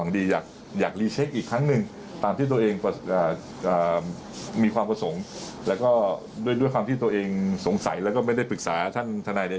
ด้วยความที่ตัวเองสงสัยแล้วก็ไม่ได้ปรึกษาท่านทนายใน